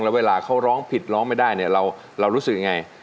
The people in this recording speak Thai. แล้วเวลาเขาร้องผิดร้องไม่ได้เรารู้สึกอย่างไร